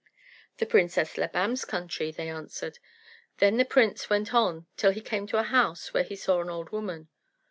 "The Princess Labam's country," they answered. Then the prince went on till he came to a house where he saw an old woman.